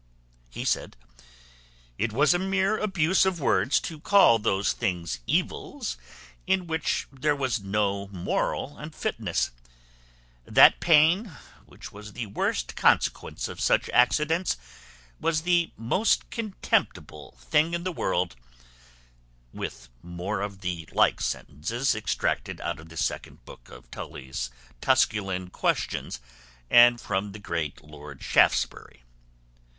He said, "It was a mere abuse of words to call those things evils, in which there was no moral unfitness: that pain, which was the worst consequence of such accidents, was the most contemptible thing in the world;" with more of the like sentences, extracted out of the second book of Tully's Tusculan questions, and from the great Lord Shaftesbury.